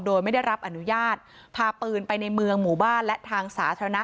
โดยไม่ได้รับอนุญาตพาปืนไปในเมืองหมู่บ้านและทางสาธารณะ